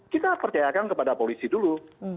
kita percayakan kepada polisi dulu